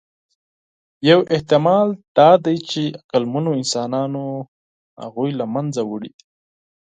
یو احتمال دا دی، چې عقلمنو انسانانو هغوی له منځه وړي دي.